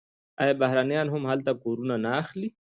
آیا بهرنیان هم هلته کورونه نه اخلي؟